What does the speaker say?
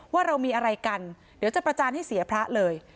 ว่าเรามีอะไรกันเดี๋ยวจะประจานให้เสียพระเลย